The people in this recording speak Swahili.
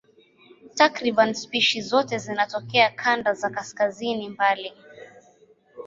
Takriban spishi zote zinatokea kanda za kaskazini mbali.